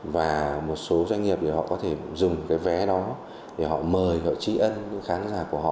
và một số doanh nghiệp thì họ có thể dùng cái vé đó để họ mời họ trí ân khán giả của họ